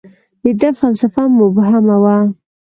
• د ده فلسفه مبهمه وه.